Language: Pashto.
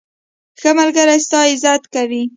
ښه ملګری ستا عزت کوي.